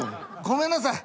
ごめんなさい。